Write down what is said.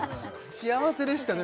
幸せでしたね